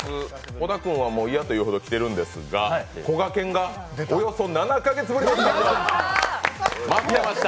小田君は嫌というほど来てるんですがこがけんがおよそ７か月ぶりでございます。